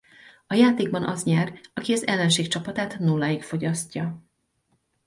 A játékban az nyer aki az ellenség csapatát nulláig fogyasztja.